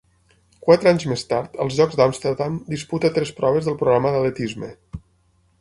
Quatre anys més tard, als Jocs d'Amsterdam, disputa tres proves del programa d'atletisme.